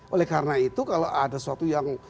oleh karena itu kalau ada sesuatu yang